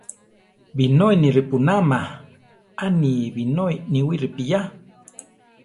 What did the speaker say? Binói ni ripúnama, a ni binói níwi ripiyá.